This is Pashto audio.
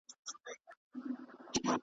نور یې نسته زور د چا د ښکارولو .